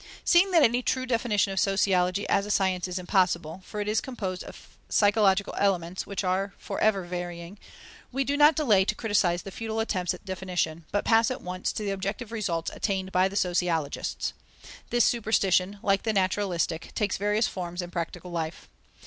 Seeing that any true definition of sociology as a science is impossible, for it is composed of psychological elements, which are for ever varying, we do not delay to criticize the futile attempts at definition, but pass at once to the objective results attained by the sociologists. This superstition, like the naturalistic, takes various forms in practical life.